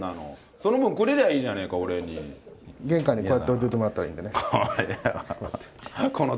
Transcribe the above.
その分くれりゃいいじゃねえか、俺に。玄関にこうやって置いといてもらったらいいんでね、こうやっこれは。